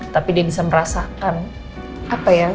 tapi dia bisa merasakan apa ya